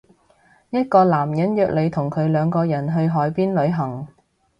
一個男人約你同佢兩個人去海邊旅行